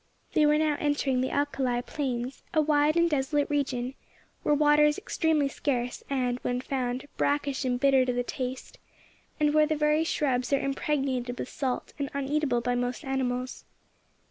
They were now entering the Alkali Plains, a wide and desolate region, where water is extremely scarce, and, when found, brackish and bitter to the taste, and where the very shrubs are impregnated with salt, and uneatable by most animals.